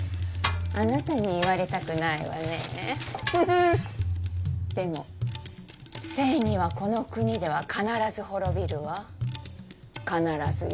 あなたに言われたくないわねフフンでも正義はこの国では必ず滅びるわ必ずよ